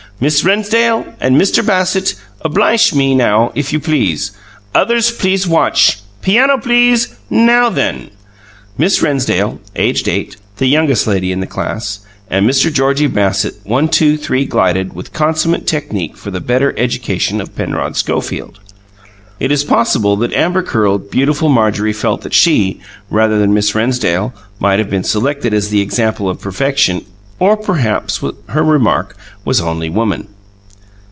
Miss Rennsdale and Mister Bassett, obliche me, if you please. Others please watch. Piano, please! Now then!" Miss Rennsdale, aged eight the youngest lady in the class and Mr. Georgie Bassett one two three glided with consummate technique for the better education of Penrod Schofield. It is possible that amber curled, beautiful Marjorie felt that she, rather than Miss Rennsdale, might have been selected as the example of perfection or perhaps her remark was only woman.